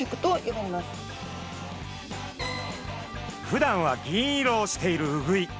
ふだんは銀色をしているウグイ。